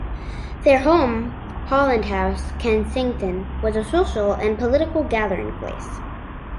Their home, Holland House, Kensington, was a social and political gathering place.